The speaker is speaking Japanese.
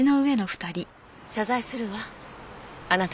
謝罪するわあなたに。